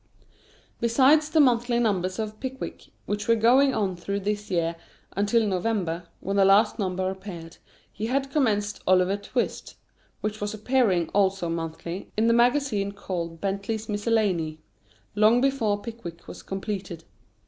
Besides the monthly numbers of "Pickwick," which were going on through this year until November, when the last number appeared, he had commenced "Oliver Twist," which was appearing also monthly, in the magazine called "Bentley's Miscellany," long before "Pickwick" was completed.